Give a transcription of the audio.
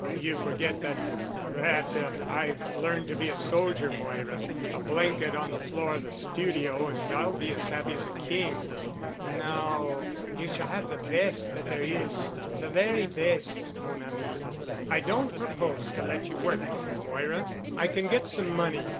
"You forget that—that I've learned to be a soldier, Moira. A blanket on the floor of the studio and I'll be as happy as a king——" "No. You shall have the best that there is—the very best—mon ami——" "I don't propose to let you work for me, Moira. I can get some money.